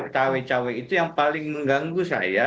tawai cawai itu yang paling mengganggu saya